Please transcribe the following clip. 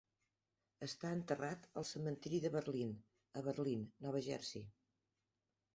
Està enterrat al cementiri de Berlín, a Berlín, Nova Jersey.